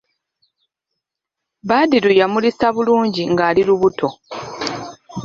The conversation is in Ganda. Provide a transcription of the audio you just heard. Badru yamuliisa bulungi ng'ali lubuto.